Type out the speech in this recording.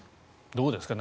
どうですか？